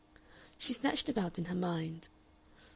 She snatched about in her mind.